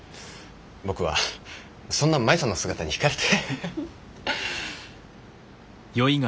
僕はそんな舞さんの姿に引かれて。